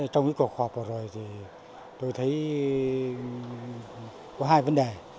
trong cuộc họp vừa rồi tôi thấy có hai vấn đề